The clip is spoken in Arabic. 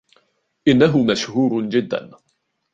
إنه مشهور جدا.